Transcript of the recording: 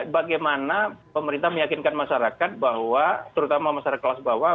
bagaimana pemerintah meyakinkan masyarakat bahwa terutama masyarakat kelas bawah